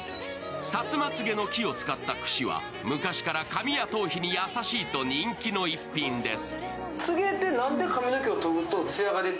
薩摩つげの木を使ったくしは昔から髪や頭皮に優しいと人気の逸品です。